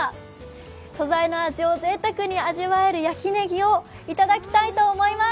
素材の味をぜいたくに味わえる焼きねぎを味わいたいと思います。